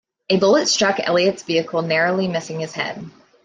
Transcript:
A bullet struck Elliott's vehicle, narrowly missing his head.